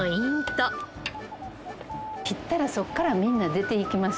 切ったらそこからみんな出ていきます。